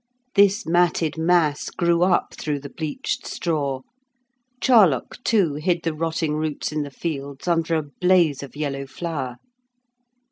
This matted mass grew up through the bleached straw. Charlock, too, hid the rotting roots in the fields under a blaze of yellow flower.